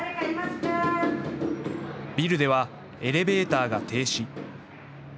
ビルでは、エレベーターが停止。